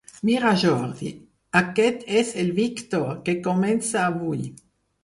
Mira Jordi, aquest és el Víctor, que comença avui.